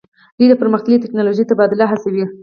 دوی د پرمختللې ټیکنالوژۍ تبادله هڅوي